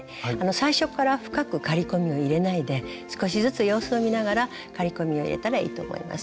最初から深く刈り込みを入れないで少しずつ様子を見ながら刈り込みを入れたらいいと思います。